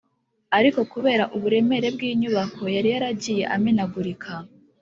ariko kubera uburemere bw’inyubako yari yaragiye amenagurika